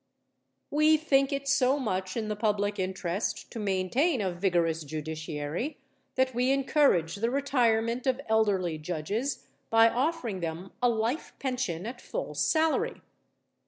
We think it so much in the public interest to maintain a vigorous judiciary that we encourage the retirement of elderly judges by offering them a life pension at full salary.